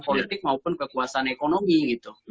politik maupun kekuasaan ekonomi gitu